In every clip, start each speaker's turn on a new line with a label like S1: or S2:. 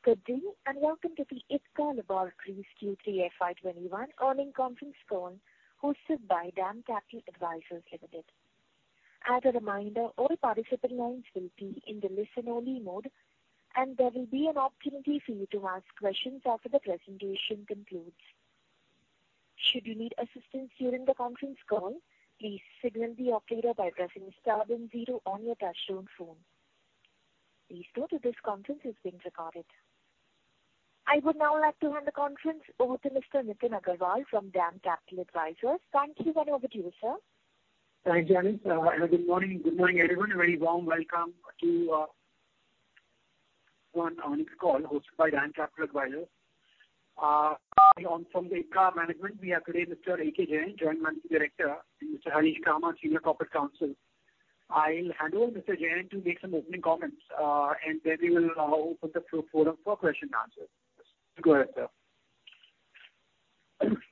S1: Good day, and welcome to the Ipca Laboratories Q3 FY 2021 Earnings Conference Call hosted by DAM Capital Advisors Ltd. As a reminder, all participant lines will be in the listen-only mode, and there will be an opportunity for you to ask questions after the presentation concludes. Should you need assistance during the conference call, please signal the operator by pressing star then zero on your touch-tone phone. Please note that this conference is being recorded. I would now like to hand the conference over to Mr. Nitin Agarwal from DAM Capital Advisors. Thank you and over to you, sir.
S2: Thanks, Janice. Good morning, everyone. A very warm welcome to our earning call hosted by DAM Capital Advisors. From the Ipca management, we have today Mr. A. K. Jain, Joint Managing Director, and Mr. Harish Kamath, Senior Corporate Counsel. I'll hand over Mr. Jain to make some opening comments, and then we will open the floor for question and answers. Go ahead, sir.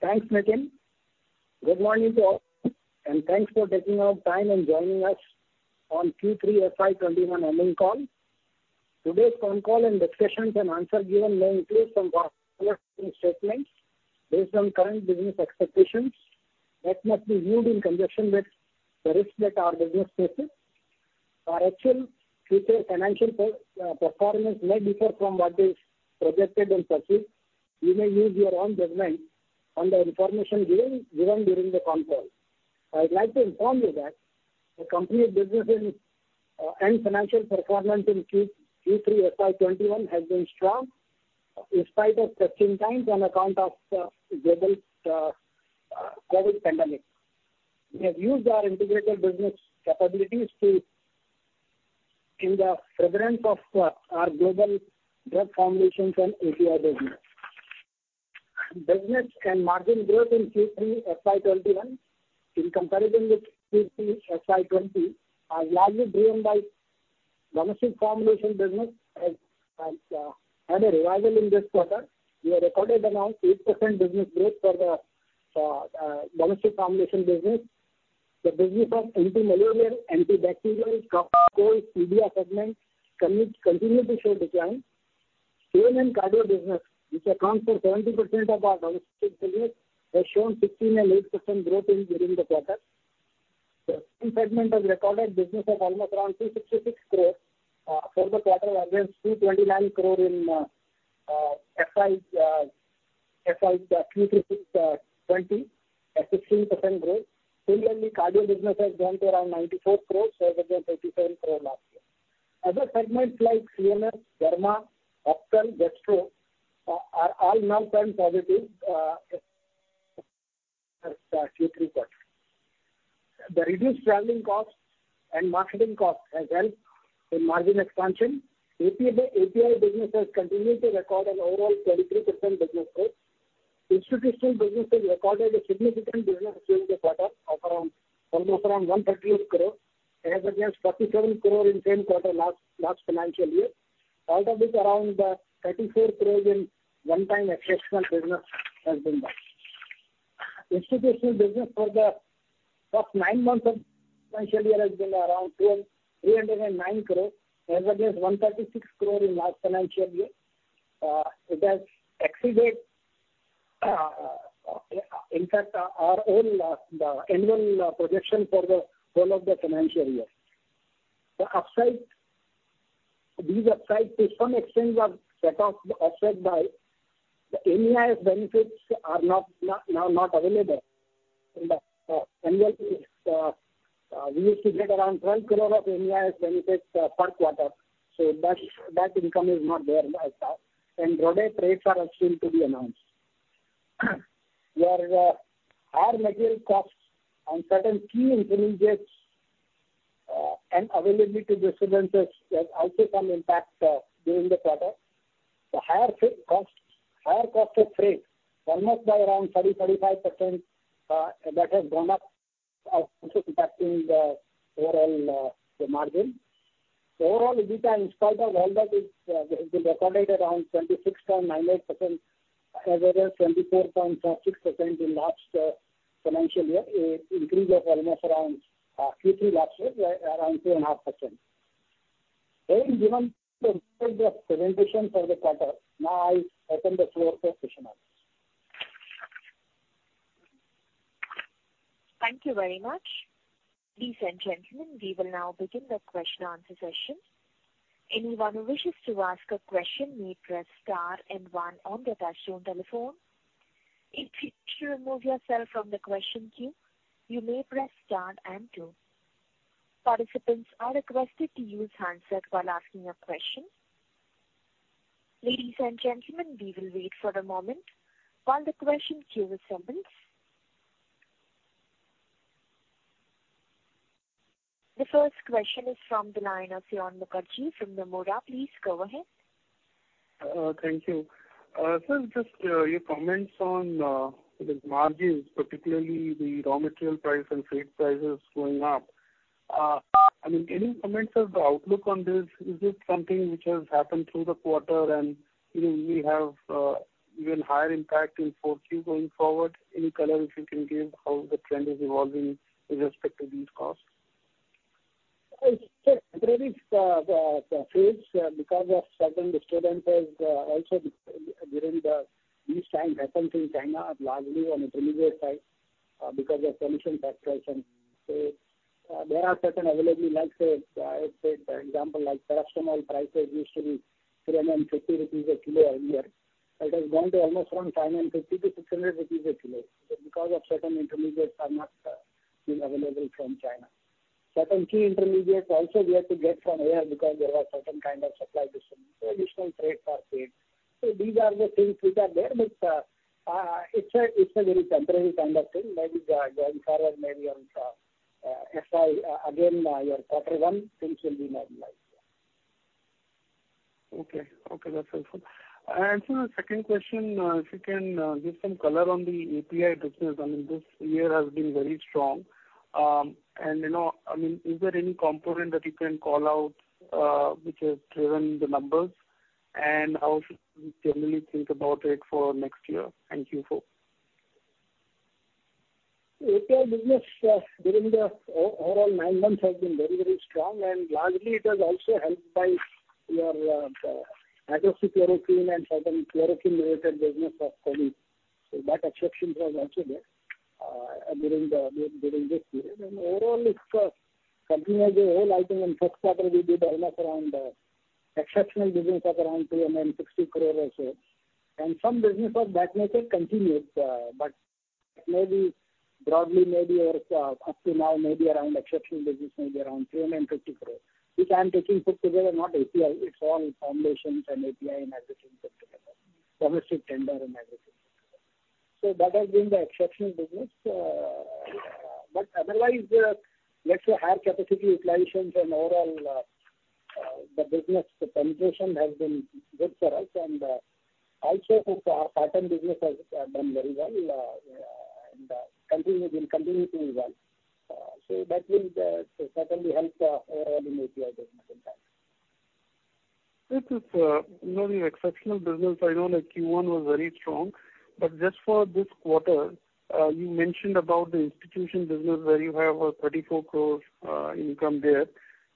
S3: Thanks, Nitin. Good morning to all, and thanks for taking out time and joining us on Q3 FY21 earning call. Today's conference call and discussion and answer given may include some forward-looking statements based on current business expectations that must be viewed in conjunction with the risks that our business faces. Our actual future financial performance may differ from what is projected and perceived. You may use your own judgment on the information given during the conference call. I'd like to inform you that the company's business and financial performance in Q3 FY21 has been strong in spite of testing times on account of the global COVID pandemic. We have used our integrated business capabilities in the furtherance of our global drug formulations and API business. Business and margin growth in Q3 FY21, in comparison with Q3 FY20, are largely driven by domestic formulation business, and had a revival in this quarter. We have recorded around 8% business growth for the domestic formulation business. The business of anti-malaria, antibacterial, cold, CBR segment continue to show decline. Pain and cardio business, which accounts for 70% of our domestic business, has shown 16% and 8% growth during the quarter. The pain segment has recorded business of almost around 266 crore for the quarter against 229 crore in Q3 FY20, a 16% growth. Similarly, cardio business has grown to around 94 crore as against 57 crore last year. Other segments like CNS, pharma, ophthalm, gastro, are all now turning positive Q3 quarter. The reduced traveling costs and marketing costs has helped in margin expansion. API business has continued to record an overall 33% business growth. Institutional business has recorded a significant business during the quarter of almost around 138 crore as against 47 crore in same quarter last financial year, out of which around 34 crore in one time exceptional business has been done. Institutional business for the first nine months of financial year has been around 309 crore as against 136 crore in last financial year. It has exceeded, in fact, our own annual projection for the whole of the financial year. These upside to some extent were offset by the MEIS benefits are now not available. We used to get around 12 crore of MEIS benefits per quarter, so that income is not there right now. Raw material rates are still to be announced. Our material costs on certain key intermediates and availability disturbances has also some impact during the quarter. The higher cost of freight, almost by around 30, 35%, that has gone up, are also impacting the overall margin. Overall, EBITDA, in spite of all that, has been recorded around 26.98%, as against 24.46% in last financial year, a increase of almost around Q3 last year, around 2.5%. Having given the overview of the presentation for the quarter, now I open the floor for question answers.
S1: Thank you very much. Ladies and gentlemen, we will now begin the question-and-answer session. Anyone who wishes to ask a question may press star and one on their touchtone telephone. If you wish to remove yourself from the question queue, you may press star and two. Participants are requested to use handset while asking a question. Ladies and gentlemen, we will wait for a moment while the question queue assembles. The first question is from the line of Saion Mukherjee from Nomura. Please go ahead.
S4: Thank you. Sir, just your comments on the margins, particularly the raw material price and freight prices going up. Any comments on the outlook on this? Is this something which has happened through the quarter and we have even higher impact in Q4 going forward? Any color which you can give how the trend is evolving with respect to these costs?
S3: It's a temporary phase because of certain disturbances also during the each time happens in China, largely on intermediate side because of pollution factors. There are certain availability, let's say, example like Paracetamol prices used to be 350 crore rupees a kilo a year. It has gone to almost around 550 crore-600 crore rupees a kilo. Because of certain intermediates are not being available from China. Certain key intermediates also we have to get from air because there was certain kind of supply distance. Additional freight cost paid. These are the things which are there, but it's a very temporary kind of thing. Maybe going forward, maybe on FY, again, your Q1 things will be normalized.
S4: Okay. That's helpful. Sir, second question, if you can give some color on the API business. This year has been very strong. Is there any component that you can call out which has driven the numbers? How should we generally think about it for next year and Q4?
S3: API business during the overall nine months has been very, very strong, and largely it has also helped by your hydroxychloroquine and certain chloroquine related business of COVID. That exception was also there during this period. Overall, company as a whole, I think in first quarter we did almost around exceptional business of around 360 crore or so. Some business of that nature continues, but maybe broadly maybe your paracetamol maybe around exceptional business, maybe around 350 crore. Which I am taking put together not API, it's all formulations and API and everything put together, domestic tender and everything. That has been the exceptional business. Otherwise, let's say higher capacity utilizations and overall, the business penetration has been good for us and also our patent business has done very well and will continue to evolve. That will certainly help overall in API business impact.
S4: This is really exceptional business. I know that Q1 was very strong, but just for this quarter, you mentioned about the institution business where you have a 34 crore income there.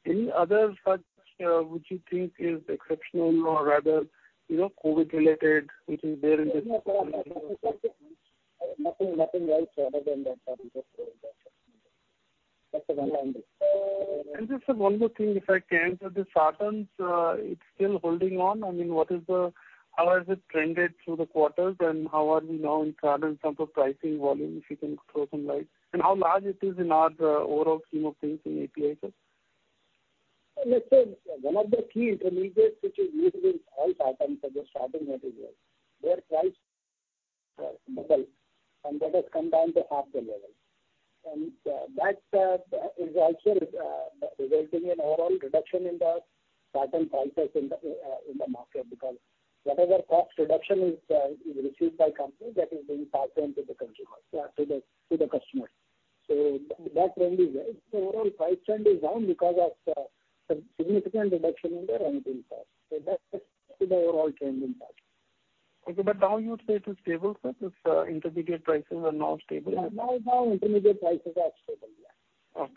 S4: Any other such which you think is exceptional or rather COVID related, which is there in this?
S3: Nothing else other than that exceptional.
S4: Just one more thing, if I can. The sartans, it's still holding on. How has it trended through the quarters, and how are we now in sartans in terms of pricing, volume, if you can throw some light. How large it is in our overall scheme of things in API set?
S3: Let's say one of the key intermediates which is used in all sartans as a starting material, their price double, and that has come down to half the level. That is also resulting in overall reduction in the sartan prices in the market because whatever cost reduction is received by company, that is being passed on to the consumer, to the customer. That trend is there. Overall price trend is down because of some significant reduction in the raw material cost. That is the overall change in that.
S4: Okay. Now you'd say it is stable, sir, since intermediate prices are now stable?
S3: Now intermediate prices are stable, yeah.
S4: Okay.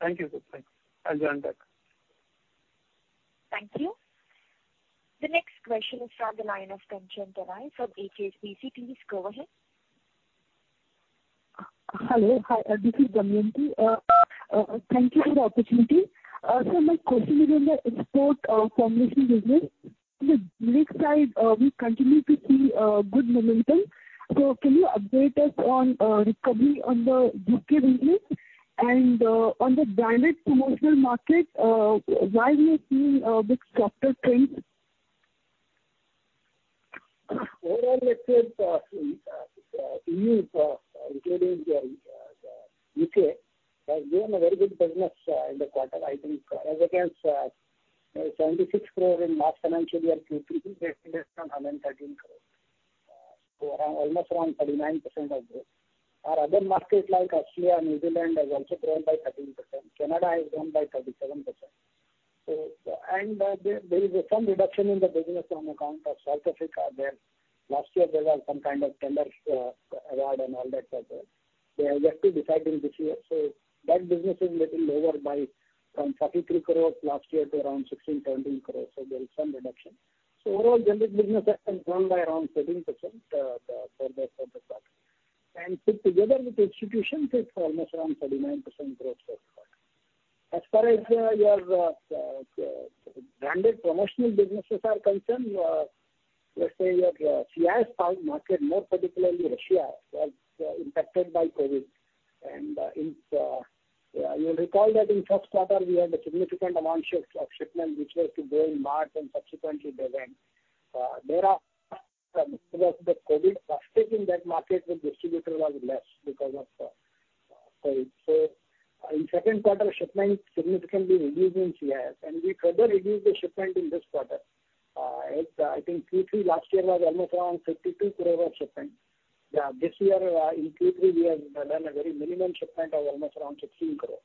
S4: Thank you, sir. Thanks. I'll join back.
S1: Thank you. The next question is from the line of Damayanti Kerai from HSBC. Please go ahead.
S5: Hello. Hi, this is Damayanti. Thank you for the opportunity. Sir, my question is on the export formulation business. In the generic side, we continue to see good momentum. Can you update us on recovery on the U.K. business and on the branded promotional market, why we are seeing a bit softer trends?
S3: Overall, let's say, EU including U.K., has given a very good business in the quarter. I think as against 76 crore in March financial year Q3, this is on 113 crore. Almost around 39% of growth. Our other markets like Australia and New Zealand has also grown by 13%. Canada has grown by 37%. There is some reduction in the business on account of South Africa there. Last year, there was some kind of tender award and all that was there. They are yet to decide in this year. That business is little lower by from 43 crore last year to around 16 crore-20 crore. There is some reduction. Overall generic business has grown by around 13% for this quarter. Put together with institution, it's almost around 39% growth so far. As far as your branded promotional businesses are concerned, let's say your CIS market, more particularly Russia, was impacted by COVID. You will recall that in first quarter, we had a significant amount of shipment which was to go in March and subsequently they went. There are because the COVID, the traffic in that market with distributor was less because of COVID. In second quarter, shipment significantly reduced in CIS, and we further reduced the shipment in this quarter. I think Q3 last year was almost around 52 crore of shipment. This year, in Q3, we have done a very minimum shipment of almost around 16 crore.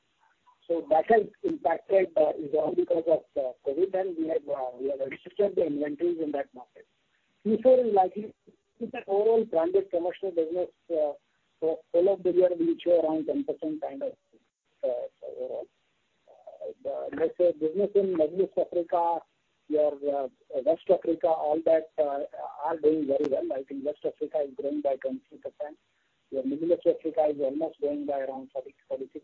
S3: That has impacted is all because of COVID, and we have restructured the inventories in that market. Future is likely I think that overall branded commercial business for whole of the year will show around 10% kind of growth. Let's say business in Middle East Africa, West Africa, all that are doing very well. I think West Africa is growing by 23%. Middle East Africa is almost growing by around 30%-40%.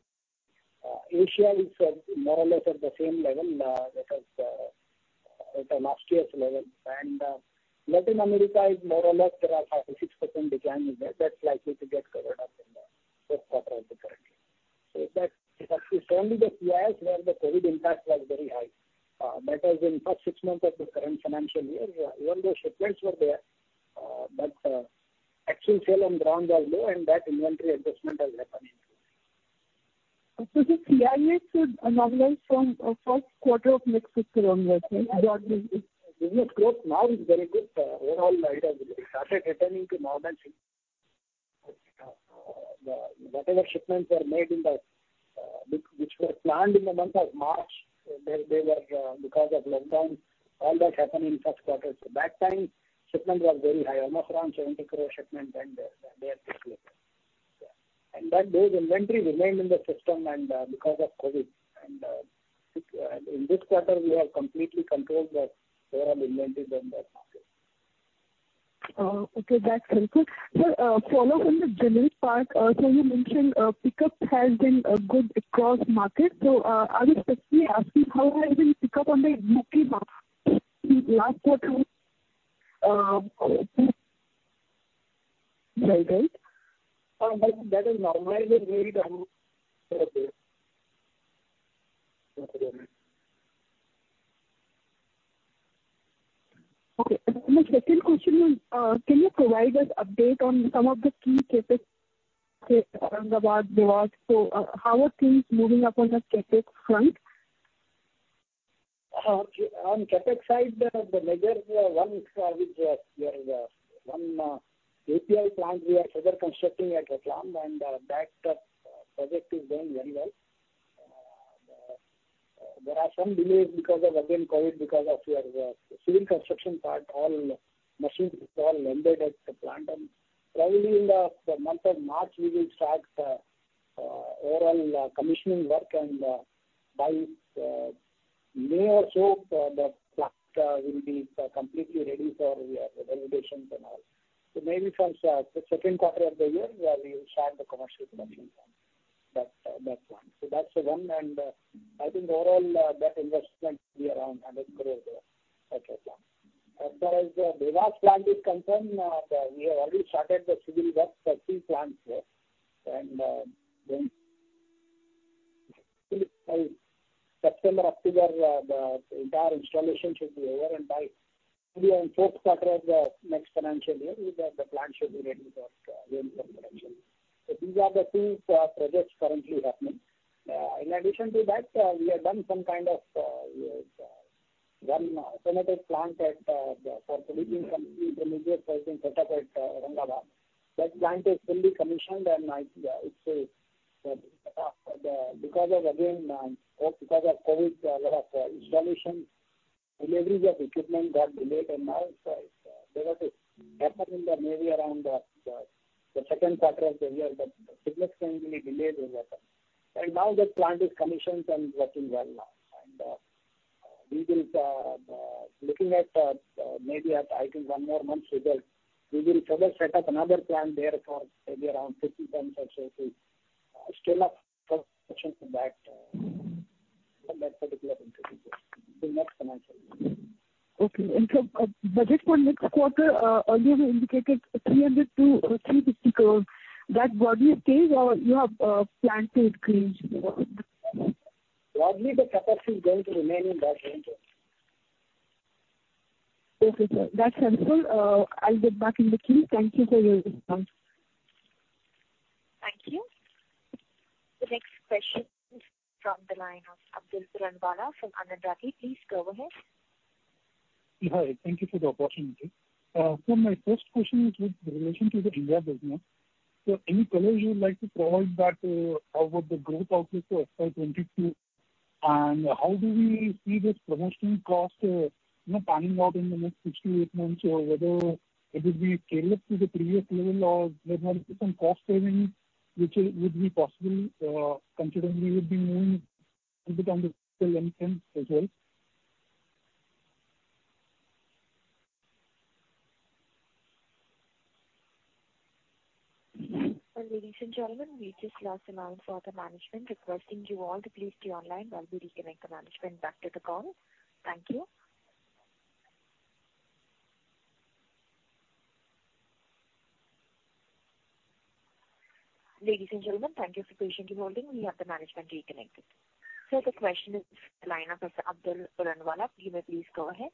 S3: Asia is more or less at the same level that was at last year's level. Latin America is more or less around 5% or 6% decline. That's likely to get covered up in the fourth quarter of the current year. It's only the CIS where the COVID impact was very high. That was in first six months of the current financial year. Even though shipments were there, but actual sale on ground was low and that inventory adjustment has happened.
S5: The CIS should normalize from first quarter of next fiscal year, broadly speaking.
S3: Business growth now is very good. Overall it has started returning to normalcy. Whatever shipments were made, which were planned in the month of March, because of lockdown, all that happened in first quarter. That time, shipments were very high, almost around 70 crore shipment and they had taken it. That those inventory remained in the system and because of COVID. In this quarter, we have completely controlled the overall inventories in the market.
S5: Okay, that's helpful. Sir, follow from the general part. You mentioned pickup has been good across markets. I was specifically asking how has been pickup on the U.K. last quarter?
S3: That has normalized in various terms.
S5: Okay. My second question is, can you provide us update on some of the key CapEx, say, Aurangabad, Dewas? How are things moving up on the CapEx front?
S3: On CapEx side, the major one is our API plant we are further constructing at Ratlam. That project is doing very well. There are some delays because of, again, COVID, because of your civil construction part, all machines installed and embedded at the plant. Probably in the month of March, we will start the overall commissioning work. By May or so, the plant will be completely ready for validations and all. Maybe from second quarter of the year, we will start the commercial production from that plant. That's one, and I think overall, that investment be around 100 crore there at Ratlam. As far as the Dewas plant is concerned, we have already started the civil work for three plants there. By September, October, the entire installation should be over, and by maybe in fourth quarter of the next financial year, the plant should be ready for ramped up production. These are the two projects currently happening. In addition to that, we have done some kind of one synthetic plant for producing some intermediate, which is set up at Aurangabad. That plant is fully commissioned and because of, again, COVID, lot of installation deliveries of equipment got delayed and all. It's better to happen in the maybe around the second quarter of the year, but significantly delayed it was. Now that plant is commissioned and working well now. We will be looking at maybe I think one more month's result. We will further set up another plant there for maybe around 50 tons or so to scale up production from that particular entity in next financial year.
S5: Okay. Sir, budget for next quarter, earlier you indicated 300 crore-350 crore. That broadly stays or you have planned to increase?
S3: Broadly the capacity is going to remain in that range only.
S5: Okay, sir. That's helpful. I'll get back in the queue. Thank you for your response.
S1: Thank you. The next question is from the line of Abdul Turanwala from Anand Rathi. Please go ahead.
S6: Hi. Thank you for the opportunity. My first question is with relation to the India business. Any colors you would like to provide that over the growth outlook for FY 2022? How do we see this promotional cost panning out in the next six to eight months, or whether it will be tailored to the previous level, or there might be some cost savings which would be possible considering we would be moving into counter seasonal trends as well.
S1: Ladies and gentlemen, we just lost the line for the management. Requesting you all to please stay online while we reconnect the management back to the call. Thank you. Ladies and gentlemen, thank you for patiently holding. We have the management reconnected. Sir, the question is from the line of Mr. Abdul Turanwala. You may please go ahead.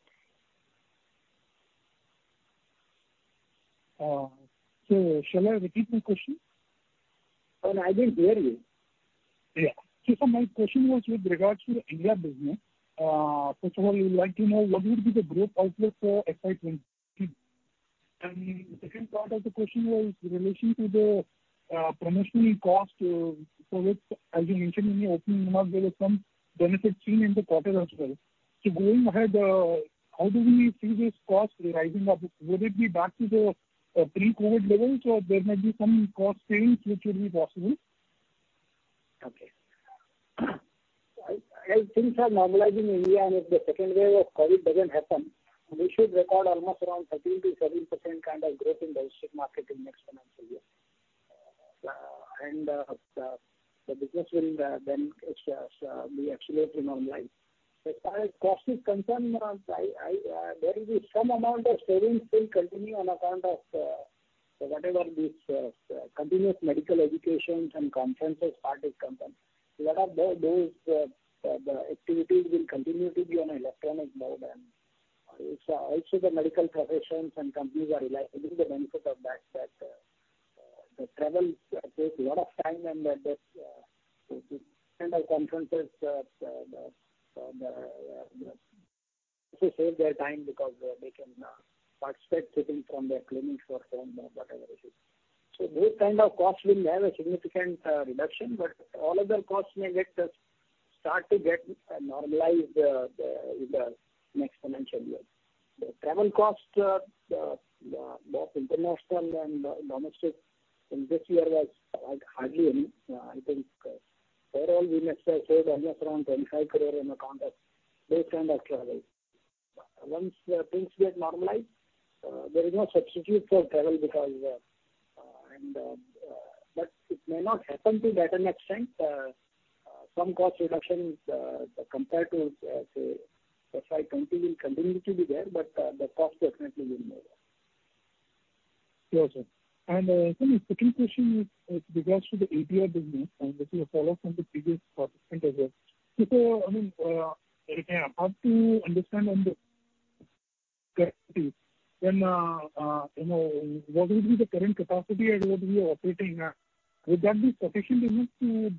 S6: Shall I repeat my question?
S3: No, I didn't hear you.
S6: Yeah. Sir, my question was with regards to your India business. First of all, we would like to know what would be the growth outlook for FY 2022. The second part of the question was in relation to the promotional cost. As you mentioned in your opening remarks, there was some benefit seen in the quarter as well. Going ahead, how do we see this cost rising up? Will it be back to the pre-COVID levels, or there may be some cost savings which will be possible?
S3: Okay. As things are normalizing in India, if the second wave of COVID doesn't happen, we should record almost around 15%-17% kind of growth in domestic market in the next financial year. The business will then be absolutely normalized. As far as cost is concerned, there will be some amount of savings will continue on account of whatever this continuous medical education and conferences part is concerned. Lot of those activities will continue to be on electronic mode, also the medical professionals and companies are getting the benefit of that the travel takes a lot of time and this kind of conferences save their time because they can participate sitting from their clinic or home or whatever it is. Those kind of costs will have a significant reduction, all other costs may start to get normalized in the next financial year. The travel cost, both international and domestic in this year was hardly any. I think overall, we must have saved almost around INR 25 crore on account of this kind of travel. Once things get normalized, there is no substitute for travel. It may not happen to that an extent. Some cost reductions compared to say, the prior company will continue to be there, but the cost definitely will move up.
S6: Sure, sir. Sir, my second question is with regards to the API business, and this is a follow-up from the previous participant as well. I mean, if I have to understand correctly, what will be the current capacity and what will be operating at? Would that be sufficient enough to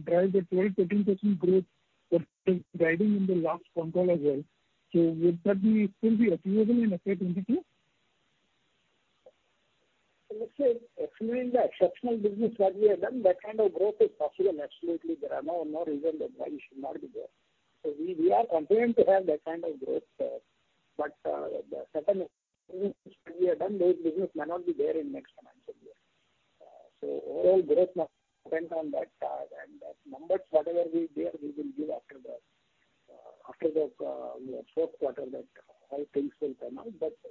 S6: drive the 12%-13% growth that is driving in the last quarter as well? Would that still be achievable in FY 2022?
S3: Let's say assuming the exceptional business that we have done, that kind of growth is possible, absolutely. There are no reasons that why it should not be there. We are confident to have that kind of growth. Certain things which we have done, those business may not be there in next financial year. Overall growth must depend on that, and numbers whatever be there, we will give after the fourth quarter that how things will turn out,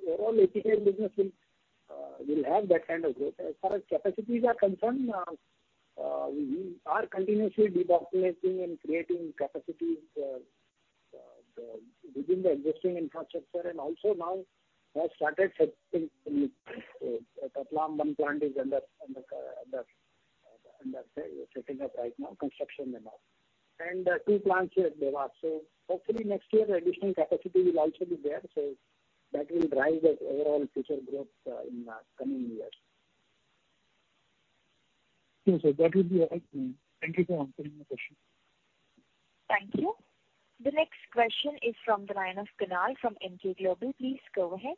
S3: overall API business will have that kind of growth. As far as capacities are concerned, we are continuously depopulating and creating capacities within the existing infrastructure and also now have started setting in Ratlam. One plant is under setting up right now, construction and all. Two plants here at Dewas. Hopefully next year additional capacity will also be there. That will drive the overall future growth in the coming years.
S6: Sure, sir. That would be all from me. Thank you for answering my question.
S1: Thank you. The next question is from the line of Kunal from Emkay Global. Please go ahead.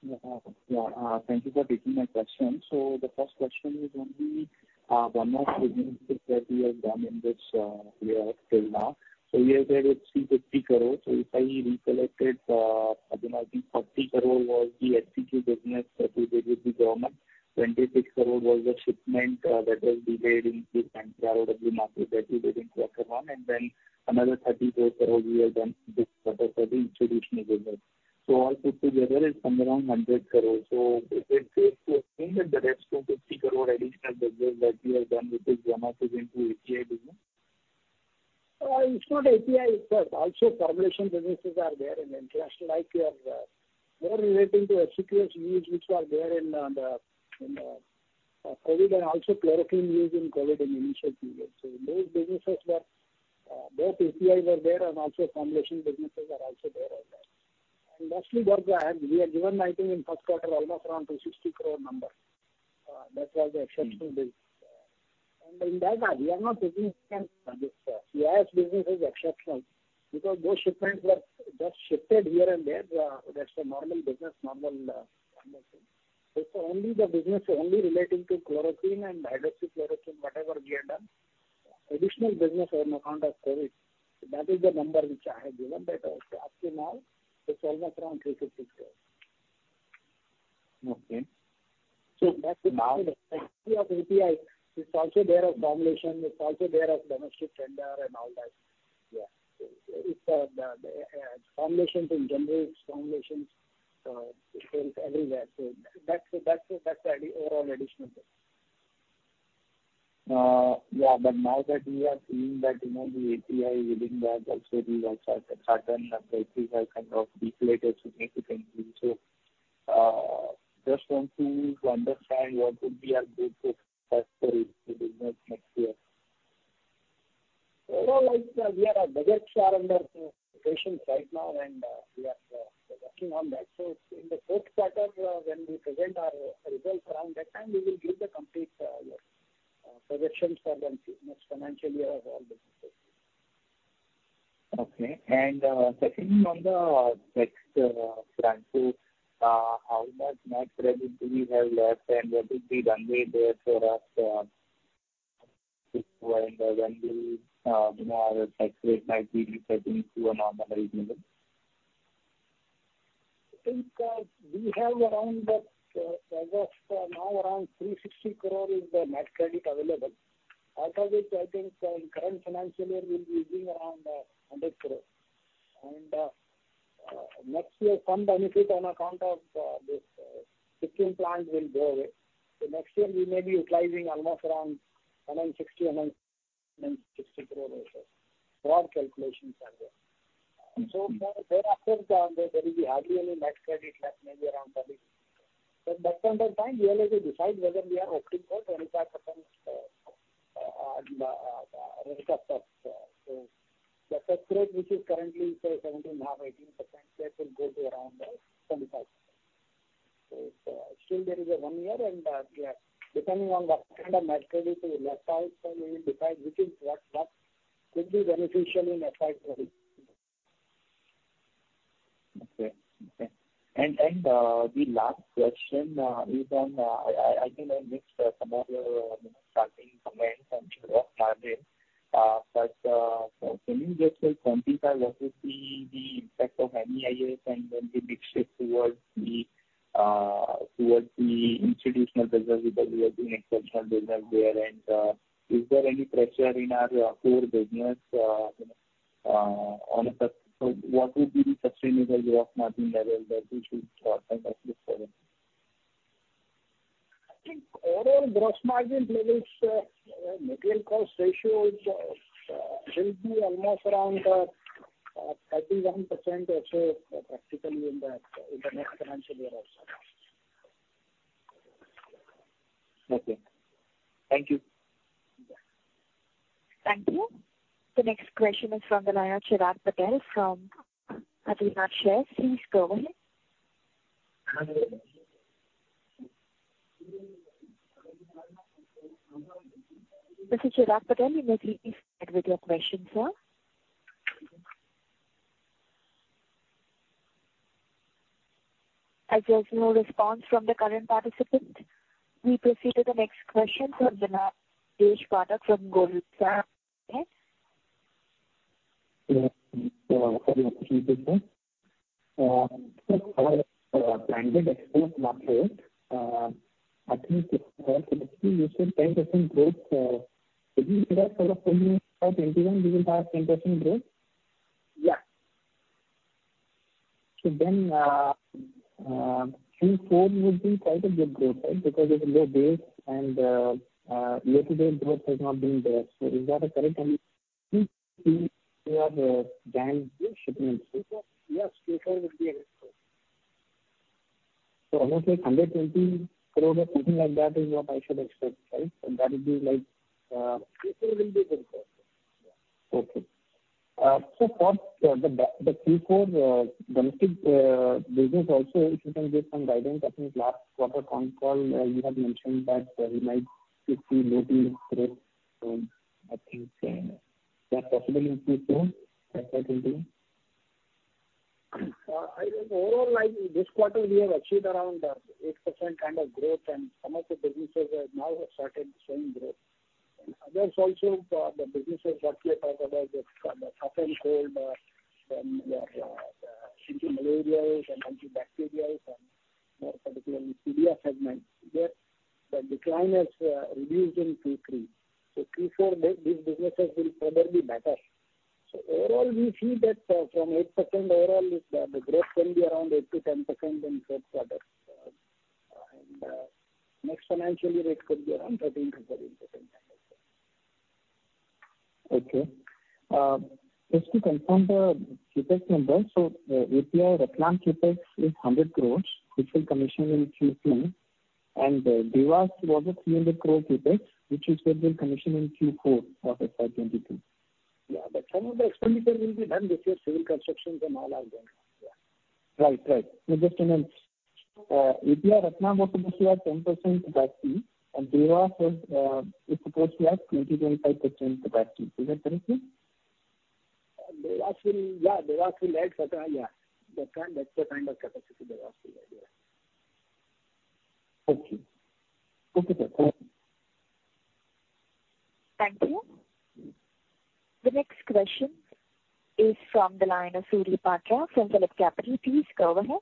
S7: Yeah. Thank you for taking my question. The first question is on the one-off business that we have done in this year till now. You have said it's INR 350 crore. If I recalculated, it might be 30 crore was the HCQ business that we did with the government. 26 crore was the shipment that was delayed in the branded ROW market that we did in quarter one, and then another 32 crore we have done this quarter for the institutional business. All put together is somewhere around 100 crore. Is this to assume that the rest 250 crore additional business that we have done which is one-off is into API business?
S3: It's not API. Formulation businesses are there in international. More relating to HCQ's needs which were there in the COVID, and also chloroquine used in COVID in initial phases. Those businesses were, both APIs were there and also formulation businesses are also there as well. Lastly, we have given, I think in first quarter, almost around 260 crore. That was the exceptional business. In that, we are not taking this CS business is exceptional because those shipments were just shifted here and there. That's the normal business, normal numbers. It's only the business only relating to chloroquine and hydroxychloroquine, whatever we have done. Additional business on account of COVID. That is the number which I have given. That was approximately it's almost around INR 350 crore.
S7: Okay.
S3: That's of API. It's also there of formulation. It's also there of domestic tender and all that.
S7: Yeah.
S3: Formulations in general, it's formulations. It sells everywhere. That's the overall additional business.
S7: Yeah. Now that we are seeing that the API yielding has also reached a certain level, APIs have kind of deflated significantly. I just want to understand what would be our business for the business next year.
S3: Overall, our budgets are under creation right now, and we are working on that. In the fourth quarter, when we present our results around that time, we will give the complete projections for the next financial year of all this.
S7: Okay. Secondly, on the next plan too, how much MAT credit do you have left? What is the runway there for us when the interest rates might be returning to a normal reasonable?
S3: I think we have around 360 crore is the MAT credit available. Out of it, I think in current financial year, we'll be using around INR 100 crore. Next year, some benefit on account of this Sikkim plant will go away. Next year we may be utilizing almost around 160 crore or so. Raw calculations are there. Thereafter, there will be hardly any MAT credit left, maybe around 30. By that time, we will have to decide whether we are opting for 25% interest or so. The cut rate which is currently 17.5%-18%, that will go to around 25%. Still there is one year, and depending on what kind of MAT credit we will have, so we will decide what could be beneficial in that time for us.
S7: Okay. The last question is on, I think I missed some of your starting comments on the gross margin. But can you just, like, quantify what would be the impact of MEIS and when the mix shift towards the institutional business because we have seen exceptional business there and is there any pressure in our core business so what would be the sustainable gross margin level that we should kind of look forward to?
S3: I think overall gross margin levels, material cost ratios will be almost around 51% or so practically in the next financial year also.
S7: Okay. Thank you.
S1: Thank you. The next question is from the line of Chirag Patel from Adinath Shares. Please go ahead. Mr. Chirag Patel, you may please start with your question, sir. There's no response from the current participant, we proceed to the next question from Mr. Dheeresh Pathak from Goldman Sachs.
S8: Yes. Thank you. Our branded export market, I think you said 10% growth. Do you think that for full year of 2021, we will have 10% growth?
S3: Yeah.
S8: Q4 would be quite a good growth, right? Because it's a low base and year to date growth has not been there. Is that a correct way of benchmarking shipments?
S3: Yes. Q4 will be a good quarter.
S8: Almost like 120 crore or something like that is what I should expect, right?
S3: Q4 will be a good quarter. Yeah.
S8: Okay. For the Q4 domestic business also, if you can give some guidance. I think last quarter con call, you had mentioned that we might see low teen growth. I think that's possible in Q4, FY 2022?
S3: I think overall, this quarter we have achieved around 8% kind of growth. Some of the businesses now have started showing growth. Others also, the businesses that we are talking about, the Cough & Cold, then the Antimalarials and Antibacterials and more particularly, Pedia segment, the decline has reduced in Q3.So Q4, these businesses will further be better. Overall, we see that from 8% overall, the growth can be around 8%-10% in third quarter. Next financial year, it could be around 13% kind of growth.
S8: Okay. Just to confirm the CapEx numbers. API Ratlam CapEx is 100 crore, which will commission in Q3. Dewas was a 300 crore CapEx, which is scheduled commission in Q4 of FY 2022.
S3: Yeah. Some of the expenditure will be done this year, civil constructions and all are done. Yeah.
S8: Right. No, just to mention. API Ratlam was supposed to have 10% capacity, and Dewas was supposed to have 20, 25% capacity. Is that correct?
S3: Yeah. Dewas will add. That's the kind of capacity Dewas will add, yeah.
S8: Okay.
S1: Thank you. The next question is from the line of Surya Patra from PhillipCapital. Please go ahead.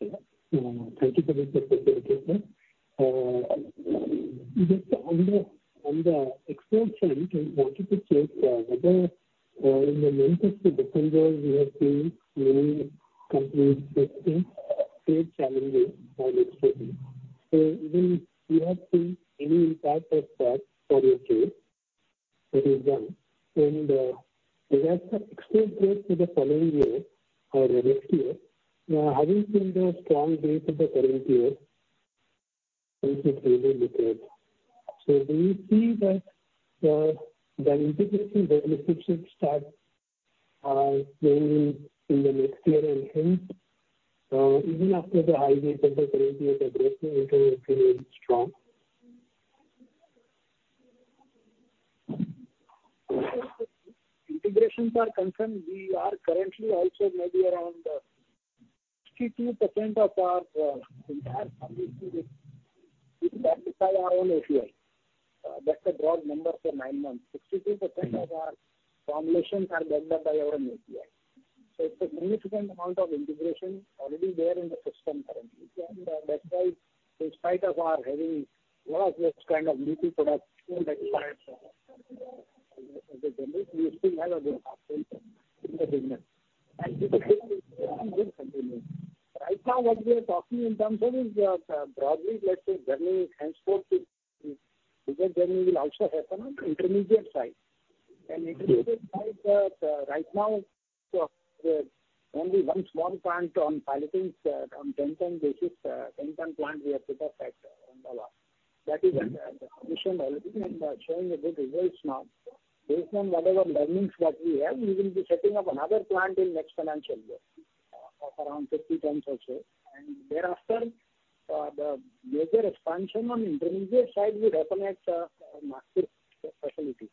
S9: Thank you for taking my question. Just on the export front, I wanted to check whether in the month of December we have seen many companies facing trade challenges on exporting. Do you have seen any impact of that for your trade that is done, and will that extend into the following year or the next year? Having seen the strong growth of the current year, which is really good. Do you see that the integration with the ships starts growing in the next year and hence even after the high growth of the current year, the growth will continue to be strong?
S3: Integrations are concerned, we are currently also maybe around 62% of our entire formulation is backed by our own API. That's the broad number for nine months. 62% of our formulations are backed up by our own API. It's a significant amount of integration already there in the system currently. That's why, in spite of our having lot of this kind of BP products we still have a good margin in the business. It will continue. Right now, what we are talking in terms of is broadly, let's say, learning transport, because learning will also happen on intermediate side. Intermediate side, right now, only one small plant on pilot, on tender basis. Tender plant we have put a fact on the lot. That is the commission already and showing a good results now. Based on whatever learnings what we have, we will be setting up another plant in next financial year, of around 50 tons or so. Thereafter, the major expansion on intermediate side will happen at our Nagpur facility.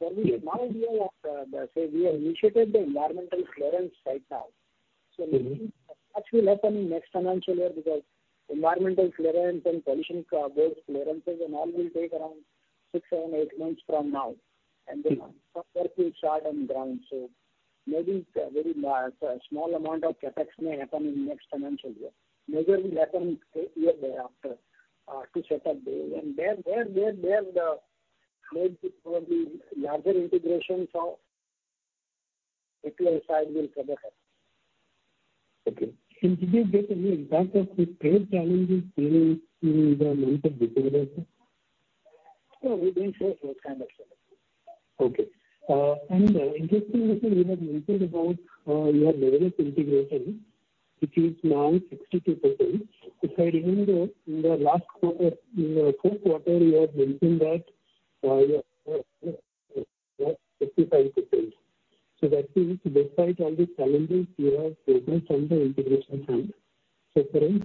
S3: We have now idea of say, we have initiated the environmental clearance right now. Maybe that will happen next financial year because environmental clearance and pollution boards clearances and all will take around six, seven, eight months from now, and then work will start on ground. Maybe very small amount of CapEx may happen in next financial year. Major will happen year thereafter, to set up there. There the larger integrations of API side will probably happen.
S9: Okay. In today date, any impact of the trade challenges in the amount of business?
S3: No, we don't face those kind of challenges.
S9: Okay. Interestingly, you have mentioned about your level of integration, which is now 62%. If I remember, in the last quarter, in the fourth quarter, you have mentioned that 65%. That means, despite all the challenges, you have grown from the integration front. Current,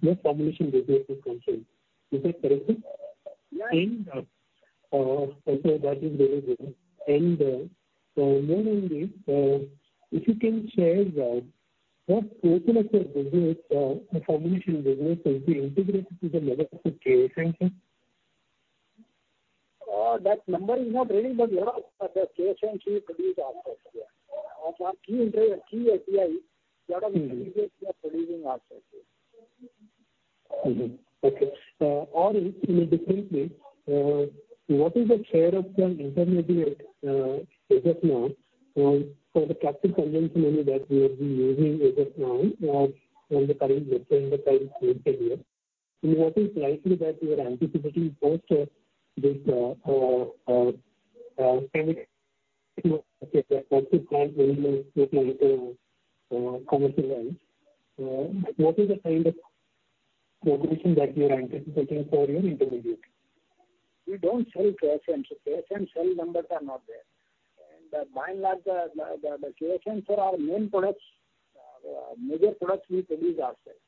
S9: your formulation business is concerned. Is that correct?
S3: Yes.
S9: Okay. That is very good. More only, if you can share what portion of your formulation business has been integrated to the level of KSM?
S3: That number is not really very large. The KSM we produce ourselves. Of our key API, lot of intermediates we are producing ourselves here.
S9: Okay. In a different way, what is the share of your intermediate as of now, for the captive consumption only that you have been using as of now or from the current year? What is likely that you are anticipating post this commercialize? What is the kind of progression that you are anticipating for your intermediate?
S3: We don't sell KSM. KSM sell numbers are not there. By and large, the KSM for our main products, major products we produce ourselves.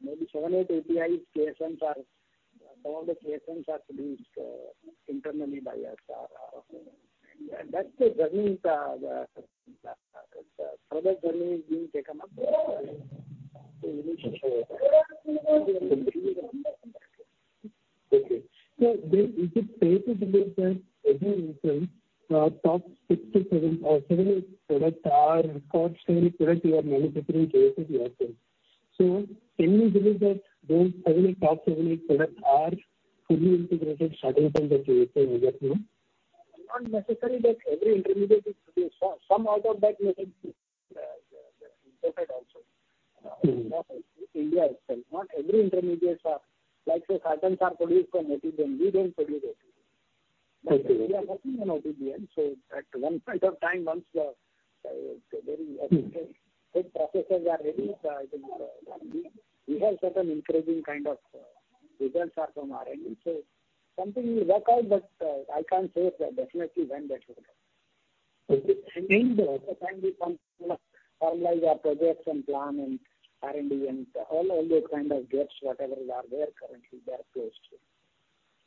S3: Maybe seven, eight APIs, all the KSMs are produced internally by ourselves. That's a learning curve. Further learning we will take them up.
S9: Okay. Is it fair to believe that as in you said, top six to seven or seven, eight products are core sale product you are manufacturing KSM yourself. Can we believe that those seven, top seven, eight products are fully integrated starting from the KSM as of now?
S3: Not necessary that every intermediate is produced. Some out of that may be imported also. India itself, not every intermediates are Like, say, sartans are produced from OTBN. We don't produce it.
S9: Okay.
S3: We are working on OTBN, so at one point of time, once the processes are ready, I think we have certain encouraging kind of results are from R&D. Something will work out, but I can't say definitely when that will happen.
S9: Okay.
S3: When we formalize our projects and plan and R&D and all those kind of gaps, whatever are there currently, they are closed.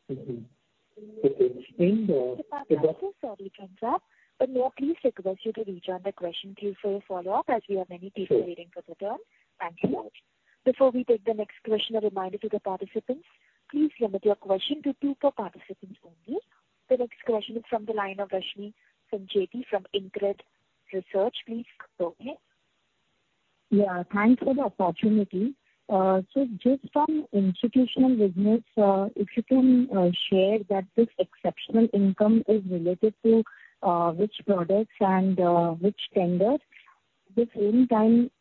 S9: Okay.
S1: Sorry to interrupt. May I please request you to return the question queue for your follow-up, as we have many people waiting for the turn. Thank you much. Before we take the next question, a reminder to the participants, please limit your question to two per participant only. The next question is from the line of Rashmi Sancheti from InCred Research. Please go ahead.
S10: Yeah, thanks for the opportunity. Just some institutional business, if you can share that this exceptional income is related to which products and which tenders. At the same time,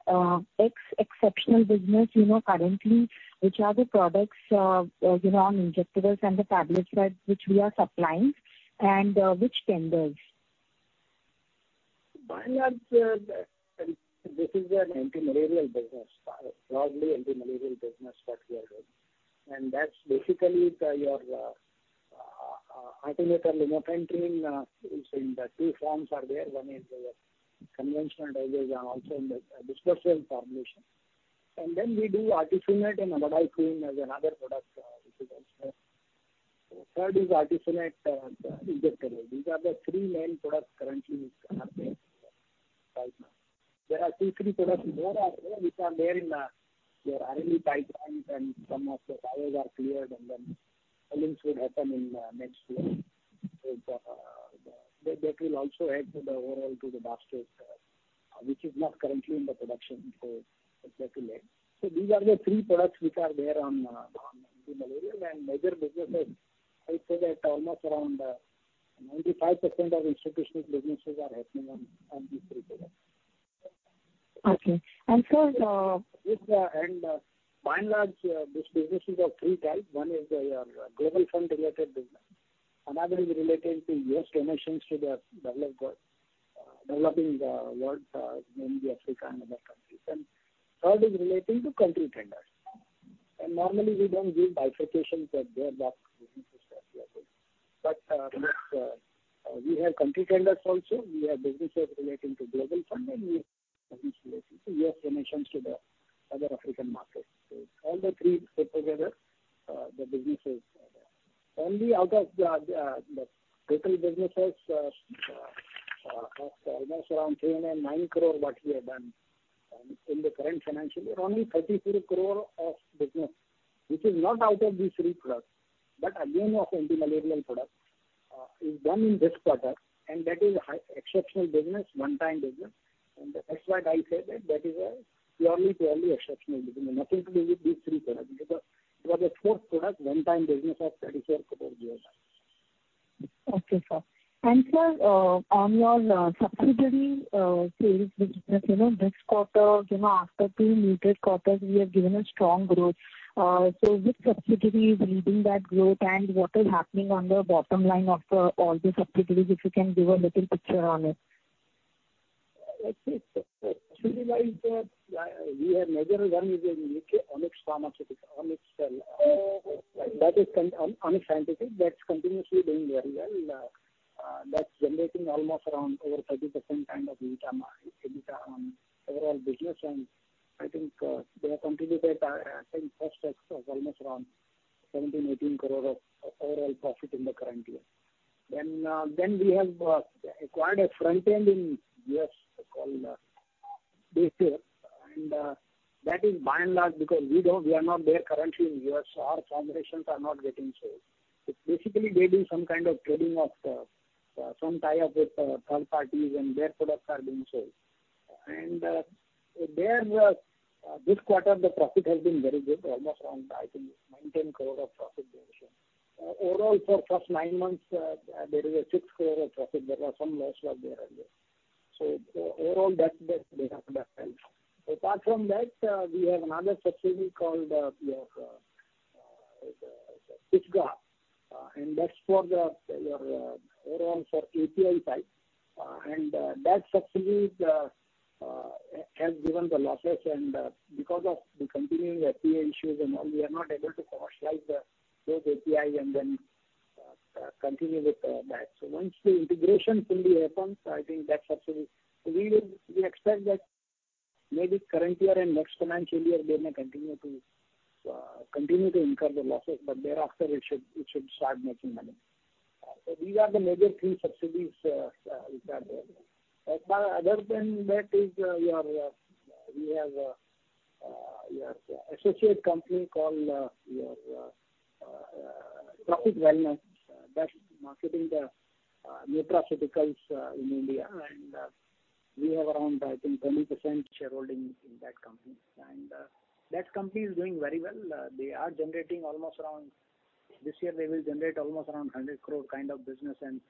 S10: exceptional business currently, which are the products, our injectables and the tablets that which we are supplying, and which tenders?
S3: By and large, this is an anti-malarial business. Broadly anti-malarial business that we are doing. That's basically your artemether lumefantrine is in the two forms are there. One is your conventional IV and also in the dispersible formulation. We do artesunate and lumefantrine as another product. These are the three main products currently with us right now. There are two, three products more are there, which are there in the early pipelines and some of the trials are cleared and then things would happen in the next year. That will also add to the overall, to the baskets, which is not currently in the production. These are the three products which are there on the antimalarial and major businesses. I said that almost around 95% of institutional businesses are happening on these three products.
S10: Okay. sir-
S3: By and large, these businesses are three types. One is your Global Fund related business. Another is related to U.S. donations to the developing world, mainly Africa and other countries. Third is relating to country tenders. Normally we don't give bifurcations of their basket. We have country tenders also. We have businesses relating to Global Fund and U.S. donations to the other African markets. All the three put together, the businesses are there. Only out of the total businesses, almost around 309 crore what we have done in the current financial year, only 34 crore of business, which is not out of these three products, but again of antimalarial product, is done in this quarter, and that is exceptional business, one-time business. That's why I said that is a purely exceptional business. Nothing to do with these three products. It was a fourth product, one time business of 34 crore given.
S10: Okay, sir. Sir, on your subsidiary sales business, this quarter, after two muted quarters, we have given a strong growth. Which subsidiary is leading that growth and what is happening on the bottom line of all the subsidiaries? If you can give a little picture on it.
S3: Actually, our major one is Onyx Scientific. That's continuously doing very well. That's generating almost around over 30% kind of EBITDA on overall business. I think they have contributed, I think first half of almost around 17 crore-18 crore of overall profit in the current year. We have acquired a front end in U.S. called and that is by and large because we are not there currently in U.S. Our formulations are not getting sold. Basically, they do some kind of trading of some tie-up with third parties and their products are being sold. There, this quarter the profit has been very good, almost around I think 19 crore of profit there. Overall for first nine months, there is a 6 crore profit. There was some loss was there and there. Overall that helped. Apart from that, we have another subsidiary called Pisgah, that's for the overall for API side. That subsidiary has given the losses and because of the continuing API issues, we are not able to commercialize those API and then continue with that. Once the integration fully happens, I think that subsidiary, we expect that maybe current year and next financial year, they may continue to incur the losses, but thereafter it should start making money. These are the major three subsidiaries which are there. Other than that, we have associate company called Trophic Wellness that's marketing the nutraceuticals in India and we have around, I think 20% shareholding in that company. That company is doing very well. This year they will generate almost around 100 crore kind of business and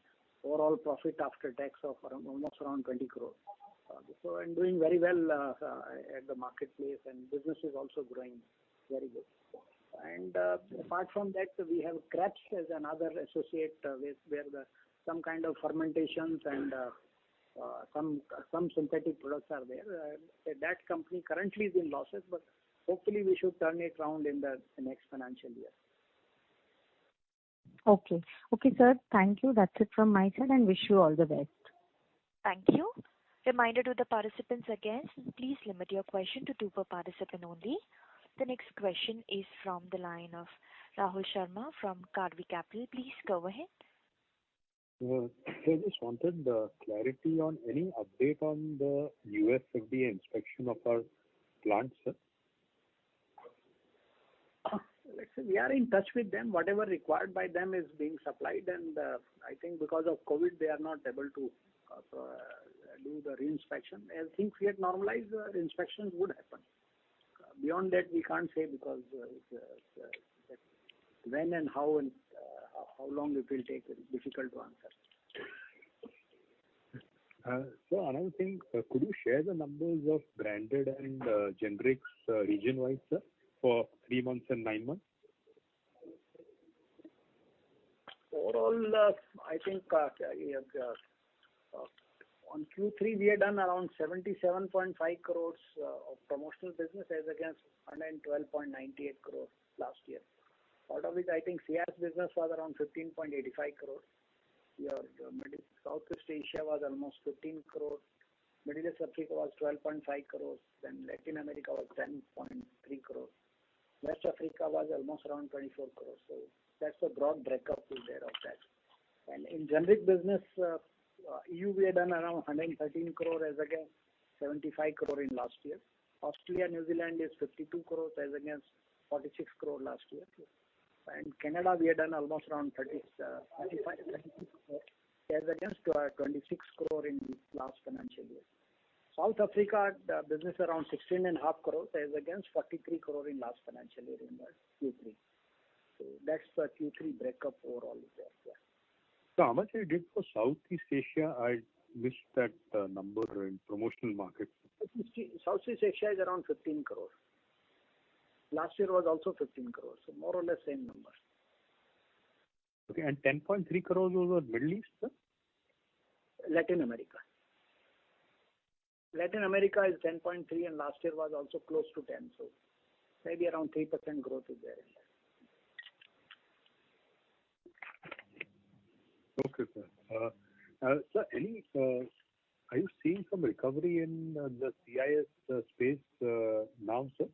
S3: overall profit after tax of almost around 20 crore. Doing very well at the marketplace and business is also growing very good. Apart from that, we have Krebs as another associate where some kind of fermentations and some synthetic products are there. That company currently is in losses, but hopefully we should turn it around in the next financial year.
S10: Okay. Okay, sir. Thank you. That's it from my side and wish you all the best.
S1: Thank you. Reminder to the participants again, please limit your question to two per participant only. The next question is from the line of Rahul Sharma from Karvy Capital. Please go ahead.
S11: I just wanted the clarity on any update on the U.S. FDA inspection of our plants, sir.
S3: We are in touch with them. Whatever required by them is being supplied. I think because of COVID, they are not able to do the re-inspection. As things get normalized, inspections would happen. Beyond that, we can't say because when and how long it will take is difficult to answer.
S11: Sir, another thing, could you share the numbers of branded and generics region-wise, sir, for three months and nine months?
S3: Overall, I think on Q3 we had done around 77.5 crore of promotional business as against 112.98 crore last year, out of which I think CIS business was around 15.85 crore. Your Southeast Asia was almost 15 crore. Middle East Africa was 12.5 crore. Latin America was 10.3 crore. West Africa was almost around 24 crore. That's a broad breakup is there of that. In generic business, EU we have done around 113 crore as against 75 crore in last year. Australia, New Zealand is 52 crore as against 46 crore last year. Canada, we have done almost around 35 crore-36 crore as against 26 crore in the last financial year. South Africa business around 16.5 crore as against 43 crore in last financial year in Q3. That's the Q3 breakup overall is there.
S11: Sir, how much you did for Southeast Asia? I missed that number in promotional market.
S3: Southeast Asia is around 15 crore. Last year was also 15 crore, so more or less same numbers.
S11: Okay, 10.3 crore was Middle East, sir?
S3: Latin America. Latin America is 10.3 crore, and last year was also close to 10 crore, so maybe around 3% growth is there.
S11: Okay, sir. Sir, are you seeing some recovery in the CIS space now, sir?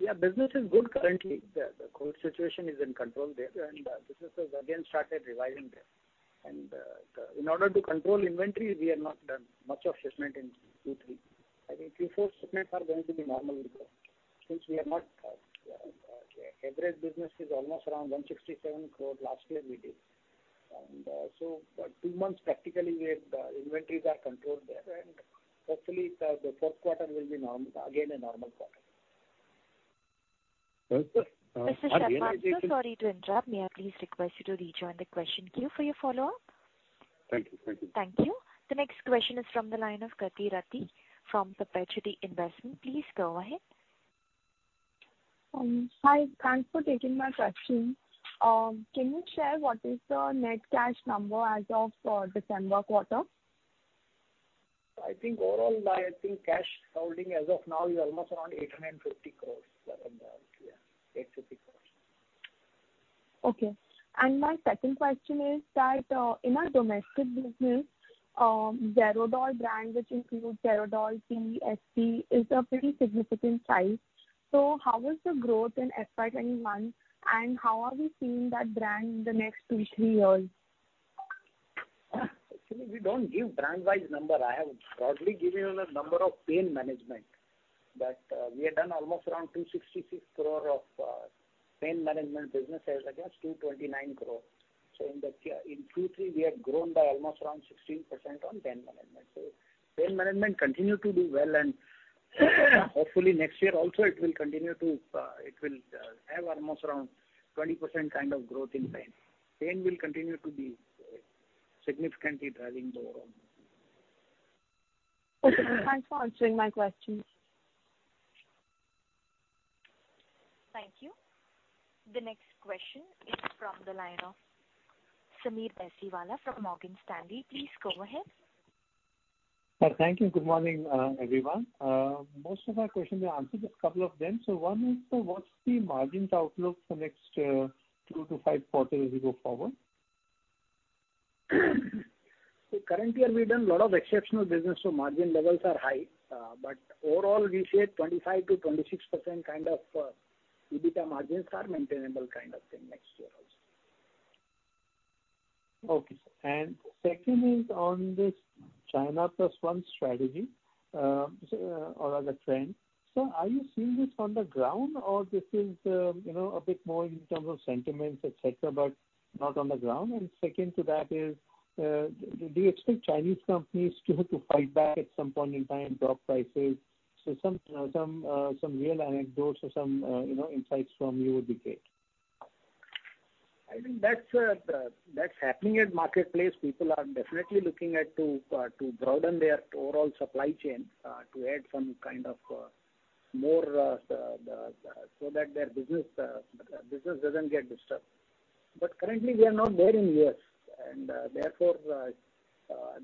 S3: Yeah, business is good currently. The COVID situation is in control there, and business has again started reviving there. In order to control inventory, we have not done much of shipment in Q3. I think Q4 shipments are going to be normal because average business is almost around 167 crore last year we did. Two months practically, the inventories are controlled there, and hopefully, the fourth quarter will be again a normal quarter.
S11: Okay, sir.
S1: Mr. Sharma, sir, sorry to interrupt. May I please request you to rejoin the question queue for your follow-up?
S11: Thank you.
S1: Thank you. The next question is from the line of Krati Rathi from Perpetuity Investment. Please go ahead.
S12: Hi. Thanks for taking my question. Can you share what is the net cash number as of December quarter?
S3: Overall, I think cash holding as of now is almost around 850 crore.
S12: Okay. My second question is that in our domestic business, Zerodol brand, which includes Zerodol P, SP, is a pretty significant size. How is the growth in FY 2021, and how are we seeing that brand in the next two, three years?
S3: Actually, we don't give brand-wise number. I have broadly given you the number of pain management. We have done almost around 266 crore of pain management business as against 229 crore. In Q3, we have grown by almost around 16% on pain management. Pain management continue to do well, and hopefully next year also it will have almost around 20% kind of growth in pain. Pain will continue to be significantly driving the overall.
S12: Okay, sir. Thanks for answering my questions.
S1: Thank you. The next question is from the line of Sameer Baisiwala from Morgan Stanley. Please go ahead.
S13: Thank you. Good morning, everyone. Most of my questions are answered, just a couple of them. One is, what's the margins outlook for next two to five quarters as we go forward?
S3: Currently we've done lot of exceptional business, so margin levels are high. Overall, we say 25% to 26% kind of EBITDA margins are maintainable kind of thing next year also.
S13: Okay. Second is on this China Plus One strategy or as a trend. Sir, are you seeing this on the ground or this is a bit more in terms of sentiments, et cetera, but not on the ground? Second to that is, do you expect Chinese companies to have to fight back at some point in time, drop prices? Some real anecdotes or some insights from you would be great.
S3: I think that's happening at marketplace. People are definitely looking at to broaden their overall supply chain, to add some kind of more, so that their business doesn't get disturbed. Currently we are not there in U.S., and therefore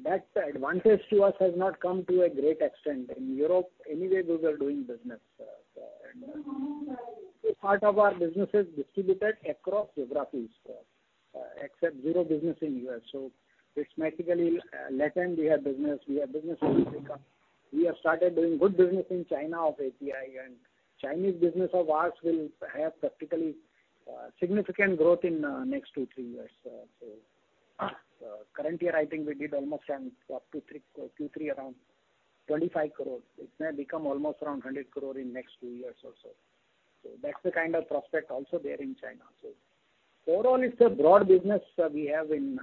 S3: that advantage to us has not come to a great extent. In Europe, anyway, we were doing business. Part of our business is distributed across geographies, except zero business in U.S. It's basically Latin, we have business, we have business in Africa. We have started doing good business in China of API, and Chinese business of ours will have practically significant growth in next two, three years or so. Current year, I think we did almost up to Q3 around 25 crore. It may become almost around 100 crore in next two years or so. That's the kind of prospect also there in China. Overall it's a broad business we have in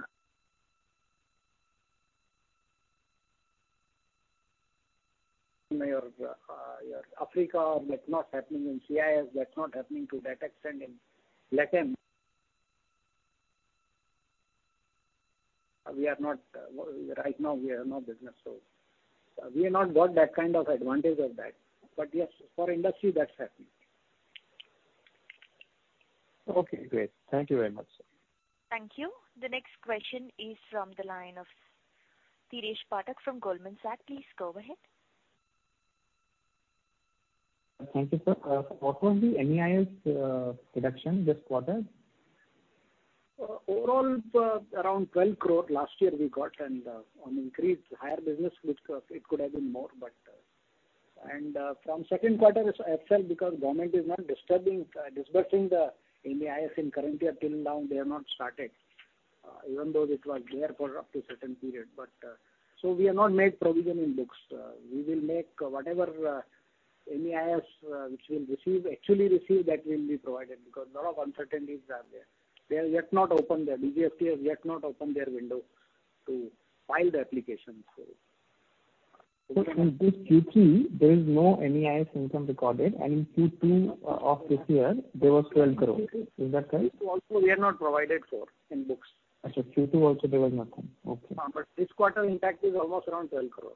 S3: Africa, that's not happening, in CIS, that's not happening to that extent, in Latin. Right now we have no business. We have not got that kind of advantage of that. Yes, for industry, that's happening.
S13: Okay, great. Thank you very much, sir.
S1: Thank you. The next question is from the line of Dheeresh Pathak from Goldman Sachs. Please go ahead.
S8: Thank you, sir. What was the MEIS reduction this quarter?
S3: Overall, around 12 crore last year we got. On increased higher business, it could have been more. From second quarter itself, because government is not disbursing the MEIS in current year. Till now, they have not started, even though it was there for up to certain period. We have not made provision in books. We will make whatever MEIS which we'll actually receive, that will be provided, because lot of uncertainties are there. DGFT has yet not opened their window to file the application.
S8: In this Q3, there is no MEIS income recorded, and in Q2 of this year there was 12 crore. Is that correct?
S3: Q2 also, we have not provided for in books.
S8: Q2 also there was nothing. Okay.
S3: This quarter impact is almost around 12 crore.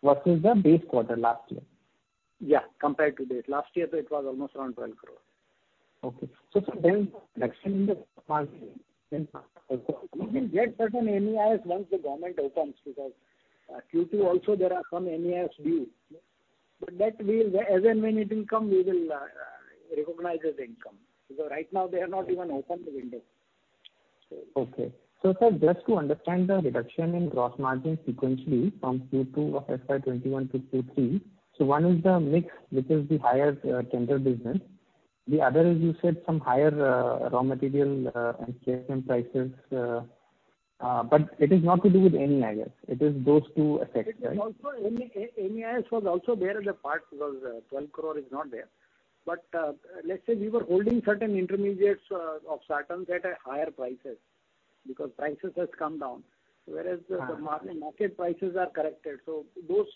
S8: What is the base quarter last year?
S3: Yeah, compared to this. Last year, it was almost around 12 crore.
S8: Okay. sir, reduction in the margin?
S3: We can get certain MEIS once the government opens because Q2 also there are some MEIS due. That, as and when it will come, we will recognize as income, because right now they have not even opened the window.
S8: Okay. Sir, just to understand the reduction in gross margin sequentially from Q2 FY 2021 to Q3, one is the mix, which is the higher tender business. The other is, you said, some higher raw material and freight prices. It is not to do with MEIS. It is those two effects, right?
S3: MEIS was also there as a part because 12 crore is not there. Let's say we were holding certain intermediates of sartans at higher prices because prices has come down, whereas the market prices are corrected. Those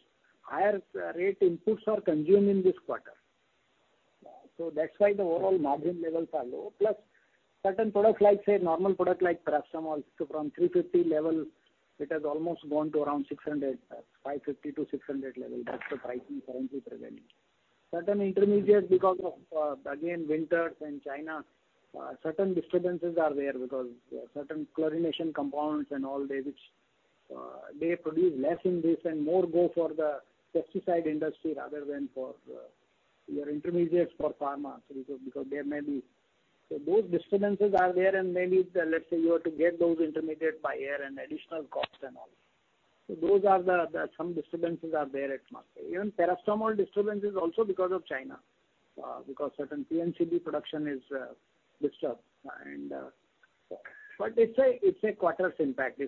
S3: higher rate inputs are consumed in this quarter. That's why the overall margin levels are low. Certain products like, say, normal product like paracetamol, from 350 level, it has almost gone to around 600, 550-600 level. That's the pricing currently prevailing. Certain intermediates because of, again, winters in China, certain disturbances are there because certain chlorination compounds and all that, which they produce less in this and more go for the pesticide industry rather than for your intermediates for pharma. Those disturbances are there and maybe, let's say, you have to get those intermediate by air and additional cost and all. Some disturbances are there at market. Even paracetamol disturbance is also because of China, because certain TNCB production is disturbed. It's a quarter's impact.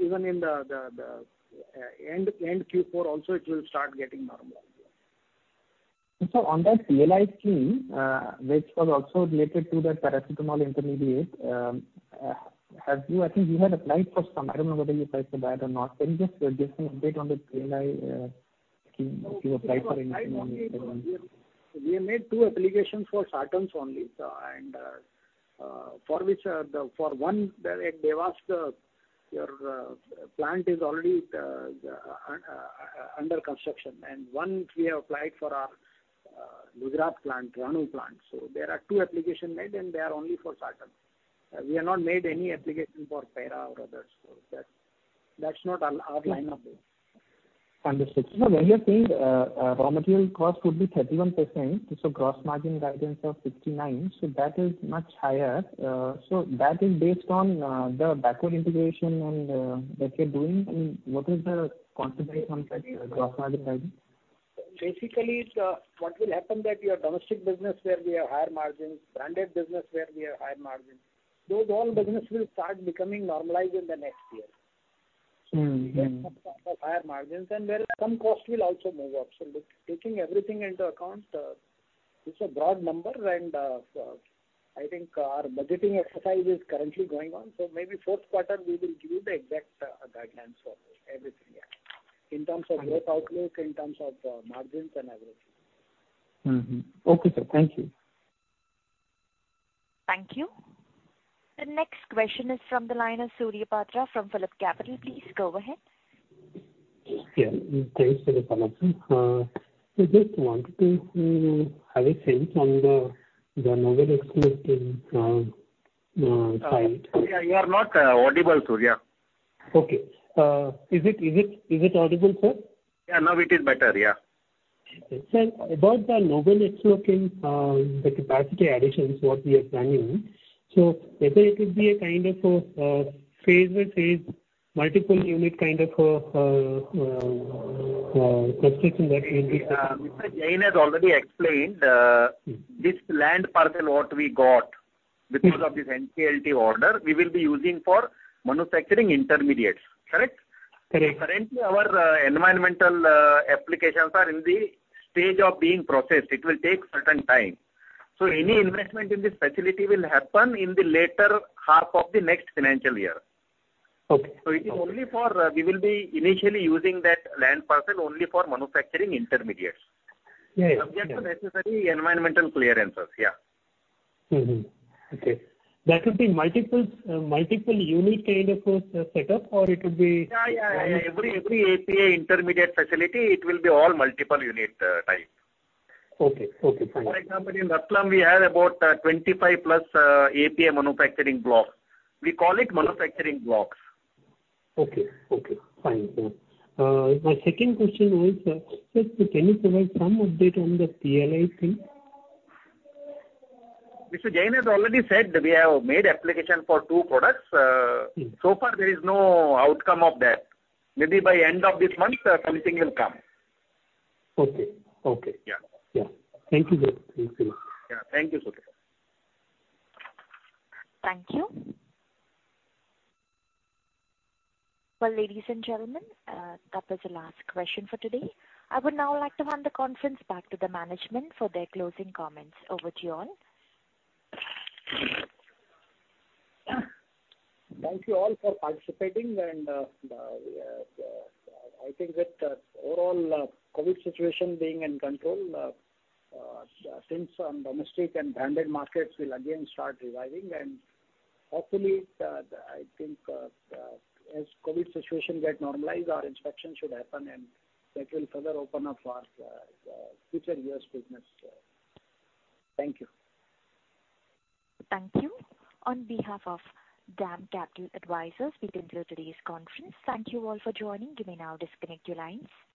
S3: Even in the end Q4 also, it will start getting normal.
S8: On that PLI scheme, which was also related to the paracetamol intermediate, I think you had applied for some. I don't know whether you applied for that or not. Can you just give me an update on the PLI scheme if you applied for anything on it?
S3: We have made two applications for sartans only. For one, they've asked your plant is already under construction, and one we have applied for our Gujarat plant, Ranu plant. There are two application made, and they are only for sartans. We have not made any application for para or others. That's not our line of business.
S8: Understood. Sir, when you're saying raw material cost would be 31%, so gross margin guidance of 59%, so that is much higher. That is based on the backward integration that you're doing, and what is the contribution side, gross margin guidance?
S3: Basically, what will happen that your domestic business where we have higher margins, branded business where we have higher margins, those all business will start becoming normalized in the next year. We get some higher margins, and some cost will also move up. Taking everything into account, it's a broad number, and I think our budgeting exercise is currently going on. Maybe fourth quarter, we will give you the exact guidance for everything. In terms of growth outlook, in terms of margins and everything.
S8: Okay, sir. Thank you.
S1: Thank you. The next question is from the line of Surya Patra from PhillipCapital. Please go ahead.
S9: Thanks for the call, ma'am. Sir, just wanted to have a sense on the Noble Explochem side.
S3: You are not audible, Surya.
S9: Okay. Is it audible, sir?
S3: Yeah, now it is better. Yeah.
S9: Sir, about the Noble Explochem, the capacity additions what we are planning. Whether it will be a kind of a phase by phase, multiple unit kind of a construction that we will be taking?
S14: Mr. Jain has already explained. This land parcel what we got because of this NCLT order, we will be using for manufacturing intermediates. Correct?
S9: Correct.
S14: Currently, our environmental applications are in the stage of being processed. It will take certain time. Any investment in this facility will happen in the latter half of the next financial year.
S9: Okay.
S14: We will be initially using that land parcel only for manufacturing intermediates.
S9: Yes.
S14: Subject to necessary environmental clearances. Yeah.
S9: Okay. That would be multiple unit kind of a setup?
S14: Yeah. Every API intermediate facility, it will be all multiple unit type.
S9: Okay. Fine.
S14: For example, in Ratlam, we have about 25 plus API manufacturing blocks. We call it manufacturing blocks.
S9: Okay. Fine. My second question was, sir, just can you provide some update on the PLI scheme?
S14: Mr. Jain has already said we have made application for two products. So far there is no outcome of that. Maybe by end of this month, something will come.
S9: Okay.
S14: Yeah.
S9: Yeah. Thank you.
S3: Yeah. Thank you, Surya.
S1: Thank you. Well, ladies and gentlemen, that was the last question for today. I would now like to hand the conference back to the management for their closing comments. Over to you all.
S3: Thank you all for participating, and I think that overall COVID situation being in control, things on domestic and branded markets will again start reviving. Hopefully, I think as COVID situation get normalized, our inspection should happen, and that will further open up our future years business. Thank you.
S1: Thank you. On behalf of DAM Capital Advisors, we conclude today's conference. Thank you all for joining. You may now disconnect your lines.